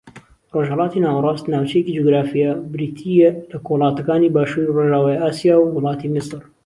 ڕۆژھەڵاتی ناوەڕاست ناوچەیەکی جوگرافییە بریتی لە وڵاتەکانی باشووری ڕۆژاوای ئاسیا و وڵاتی میسر